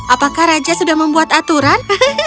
apakah raja sudah membuat aturan